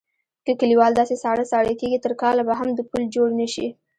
که کیوال داسې ساړه ساړه کېږي تر کاله به هم د پول جوړ نشي.